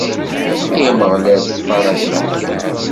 Ay Ameɣlal, tettbarakeḍ aḥeqqi.